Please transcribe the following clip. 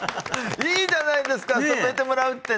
いいじゃないですか染めてもらうってね。